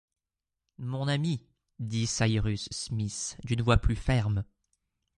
Mon ami, dit Cyrus Smith d'une voix plus ferme